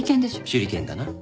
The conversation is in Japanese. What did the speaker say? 手裏剣だな。